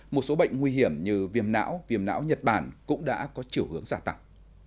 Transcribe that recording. một số bệnh nguy hiểm như viêm não viêm não nhật bản cũng đã có chiều hướng giả tặng